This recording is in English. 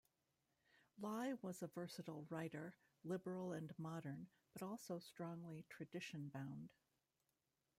Lie was a versatile writer, liberal and modern, but also strongly tradition bound.